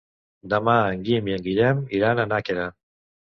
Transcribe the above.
Demà en Guim i en Guillem iran a Nàquera.